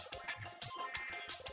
bu ibu kenapa bu